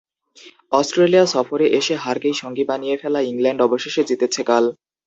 Australia সফরে এসে হারকেই সঙ্গী বানিয়ে ফেলা ইংল্যান্ড অবশেষে জিতেছে কাল।